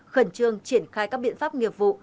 khẩn trương triển khai các biện pháp nghiệp vụ